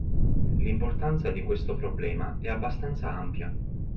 L'importanza di questo problema è abbastanza ampia.